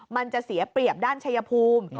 มันจะเสียเปรียบด้านชายภูมิ